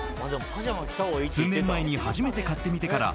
数年前に初めて買ってみてから